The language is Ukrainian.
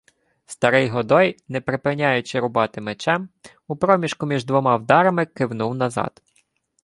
Старий Годой, не припиняючи рубати мечем, у проміжку між двома вдарами кивнув назад: